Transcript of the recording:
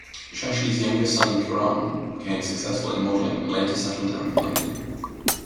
Shashi's younger son Karan became successful in modelling and later settled down in London.